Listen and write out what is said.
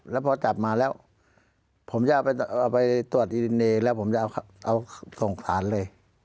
แล้วพอจับมาแล้วผมจะเอาไปตรวจอีรินเนย์แล้วผมจะเอาส่งสารเลย